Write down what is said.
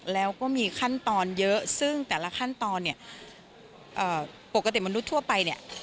แล้วก็มีขั้นตอนเยอะซึ่งแต่ละขั้นตอนเนี่ยปกติมนุษย์ทั่วไปเนี่ย